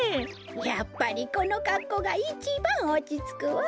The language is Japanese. やっぱりこのかっこうがいちばんおちつくわ。